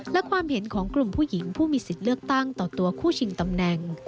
และความเห็นของกลุ่มผู้หญิงผู้มีสิทธิ์เลือกตั้งต่อตัวคู่ชิงตำแหน่ง